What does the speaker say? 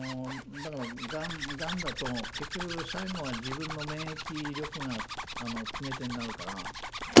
がんだと結局最後は自分の免疫力が決め手になるから。